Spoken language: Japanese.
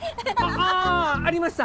あありました！